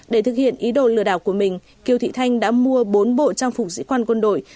để thực hiện ý đồ lừa đảo của mình kiều thị thanh đã mua bốn bộ trang phục sĩ quan quân đội